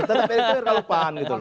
tetap erik thohir kalau pan gitu loh